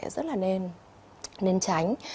rất là nên tránh